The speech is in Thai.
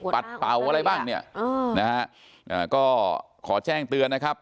ปัดเป่าอะไรบ้างเนี่ยนะฮะก็ขอแจ้งเตือนนะครับ